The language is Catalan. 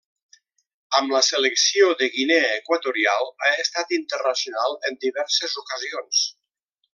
Amb la selecció de Guinea Equatorial ha estat internacional en diverses ocasions.